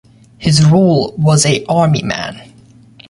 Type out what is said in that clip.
His role was a army man.